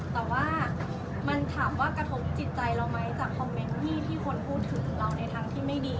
แต่ว่ามันถามว่ากระทบจิตใจเราไหมจากคอมเมนต์ที่คนพูดถึงเราในทางที่ไม่ดี